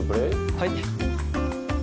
はい。